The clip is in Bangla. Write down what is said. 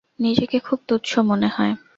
নিজেকে খুব তুচ্ছ মনে হয়।